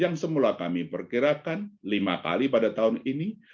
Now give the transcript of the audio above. yang semula kami perkirakan lima kali pada tahun ini